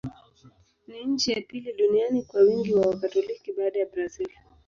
Ni nchi ya pili duniani kwa wingi wa Wakatoliki, baada ya Brazil.